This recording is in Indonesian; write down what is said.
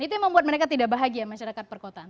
itu yang membuat mereka tidak bahagia masyarakat perkotaan